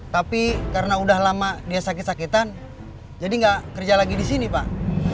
tapi karena udah lama dia sakit sakitan jadi nggak kerja lagi di sini pak